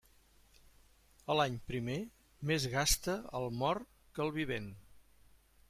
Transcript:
A l'any primer més gasta el mort que el vivent.